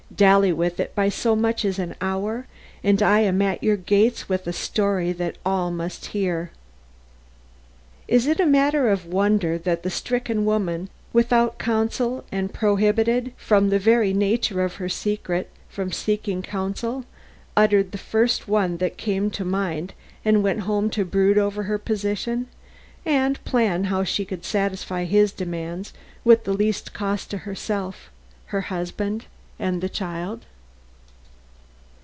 Dally with it by so much as an hour, and I am at your gates with a story that all must hear." Is it a matter of wonder that the stricken woman, without counsel and prohibited, from the very nature of her secret, from seeking counsel uttered the first one that came to mind and went home to brood over her position and plan how she could satisfy his demands with the least cost to herself, her husband and the child?